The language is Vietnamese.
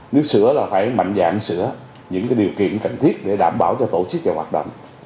nước sửa là phải mạnh dạng sửa những điều kiện cần thiết để đảm bảo cho tổ chức và hoạt động